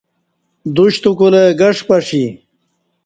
دُشت اوکلہ گݜ پݜی